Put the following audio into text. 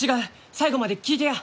最後まで聞いてや！